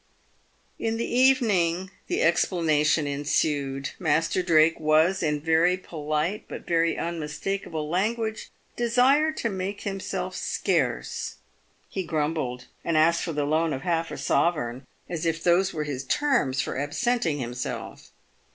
In the evening the explanation ensued. Master Drake was, in very polite but very unmistakable language, desired to make himself scarce. He grumbled, and asked for the loan of half a sovereign, as if those were his terms for absenting himself.